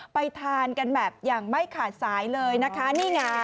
ไปทานกันแบบอย่างไม่ขาดสายเลยนะคะนี่ไง